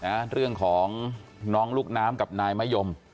นะเรื่องของน้องลูกน้ำกับนายมะยม